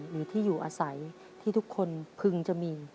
หรือที่อยู่อาศัยที่ทุกคนพึงจะมี